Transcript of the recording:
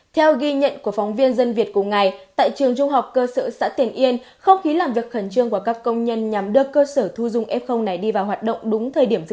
theo ghi nhận của phóng viên dân việt cùng ngày tại trường trung học cơ sở xã tiền yên không khí làm việc khẩn trương của các công nhân nhằm đưa cơ sở thu dung f này đi vào hoạt động đúng thời điểm dịch vụ